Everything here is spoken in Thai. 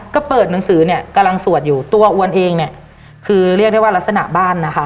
ก็เปิดหนังสือเนี่ยกำลังสวดอยู่ตัวอ้วนเองเนี่ยคือเรียกได้ว่ารักษณะบ้านนะคะ